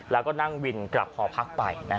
แล้วก็นั่งวินกลับหอพักไป